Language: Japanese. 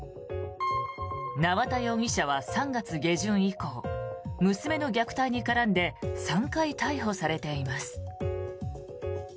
縄田容疑者は３月下旬以降娘の虐待に絡んで３回逮捕されています。